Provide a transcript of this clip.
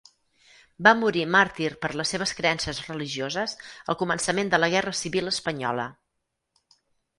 Va morir màrtir per les seves creences religioses al començament de la Guerra Civil espanyola.